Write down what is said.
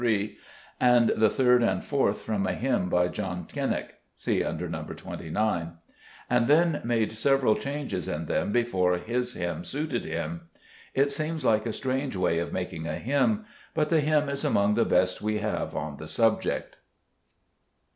3), and the 3d and 4th from a hymn by John Cennick (see under No. 29) and then made several changes in them before his hymn suited him. It seems like a strange way of making a hymn ; but the hymn is among the best we have on the subject.